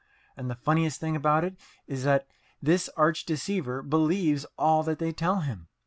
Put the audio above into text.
And the funniest thing about it is that this arch deceiver believes all that they tell him.